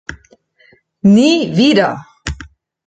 Nie wieder!